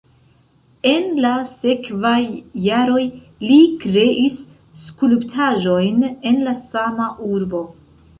En la sekvaj jaroj li kreis skulptaĵojn en la sama urbo.